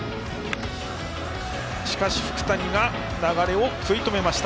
しかし、福谷が流れを食い止めました。